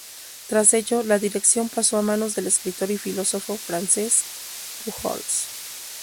Tras ello, la dirección pasó a manos del escritor y filósofo Francesc Pujols.